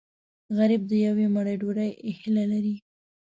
غریب د یوې مړۍ ډوډۍ هیله لري